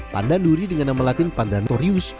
pandan duri dengan nama latin pandan torius